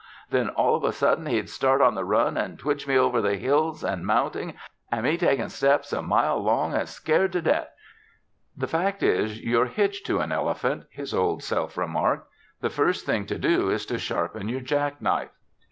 Then all of a sudden he'd start on the run an' twitch me over the hills an' mountings, an' me takin' steps a mile long an' scared to death." "The fact is you're hitched to an elephant," his Old Self remarked. "The first thing to do is to sharpen your jack knife."